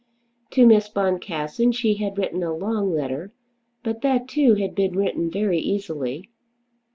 To Miss Boncassen she had written a long letter, but that too had been written very easily.